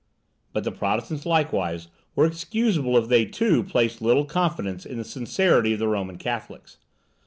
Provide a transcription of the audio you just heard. But the Protestants, likewise, were excusable if they too placed little confidence in the sincerity of the Roman Catholics.